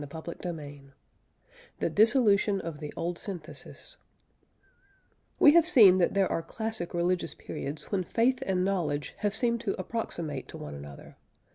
CHAPTER II THE DISSOLUTION OF THE OLD SYNTHESIS We have seen that there are classic religious periods when faith and knowledge have seemed to approximate to one another.